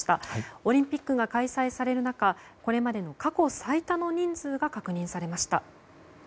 オリンピックが開催される中これまでの過去最多の人数が確認されました。